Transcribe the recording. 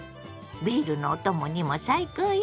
ビールのお供にも最高よ。